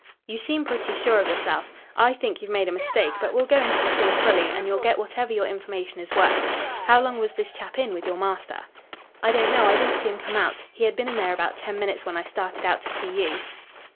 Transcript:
"You seem pretty sure of yourself. I think you've made a mistake, but we'll go into the thing fully and you'll get whatever your information is worth. How long was this chap in with your master?" "I don't know. I didn't see him come out. He had been in there about ten minutes when I started out to see you."